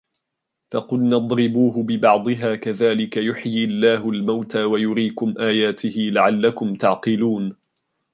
فَقُلْنَا اضْرِبُوهُ بِبَعْضِهَا كَذَلِكَ يُحْيِي اللَّهُ الْمَوْتَى وَيُرِيكُمْ آيَاتِهِ لَعَلَّكُمْ تَعْقِلُونَ